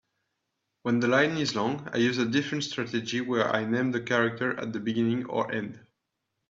When the line is long, I use a different strategy where I name the character at the beginning or end.